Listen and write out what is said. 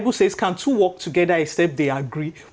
bisa berkumpul dengan dua orang tanpa mereka bersetuju